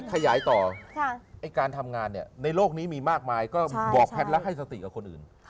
ขยายต่อการทำงานเนี่ยในโลกนี้มีมากมายก็บอกแพทย์แล้วให้สติกับคนอื่น